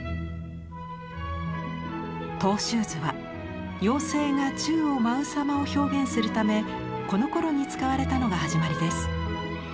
トゥ・シューズは妖精が宙を舞うさまを表現するためこのころに使われたのが始まりです。